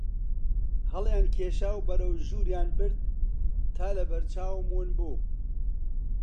هەڵیان کێشا و بەرەو ژووریان برد تا لە بەر چاوم ون بوو